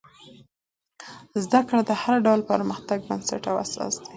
زده کړه د هر ډول پرمختګ بنسټ او اساس دی.